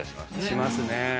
しますね。